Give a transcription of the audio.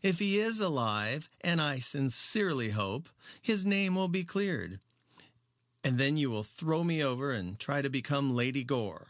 If he is alive, as I sincerely hope, his name will be cleared." "And then you will throw me over and try to become Lady Gore."